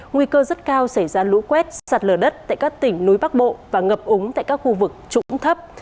nguy cơ rất cao xảy ra lũ quét sạt lở đất tại các tỉnh núi bắc bộ và ngập úng tại các khu vực trũng thấp